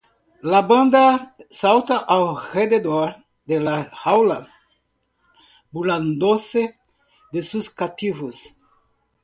La banda salta alrededor de la jaula burlándose de sus cautivos.